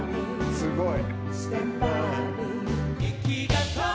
すごい。